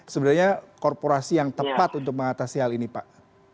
sebenarnya korporasi yang tepat untuk mengatasi hal ini pak